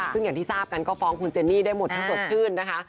ซึ่งอย่างที่ทราบกันก็ฟ้องคุณเจนนี่ได้หมดทั้งสดชื่นนะคะ